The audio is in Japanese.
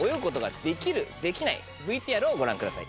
ＶＴＲをご覧ください。